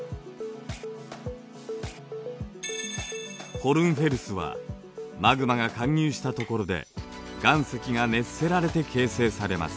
ホルンフェルスはマグマが貫入したところで岩石が熱せられて形成されます。